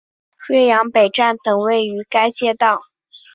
岳阳北站等位于该街道。